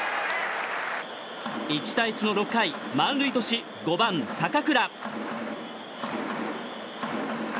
１対１の６回、満塁とし５番、坂倉。